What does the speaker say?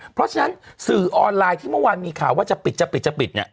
เพราะฉะนั้นสื่อออนไลน์ที่เมื่อวานมีข่าวว่าจะปิดจะปิดจะปิดเนี่ย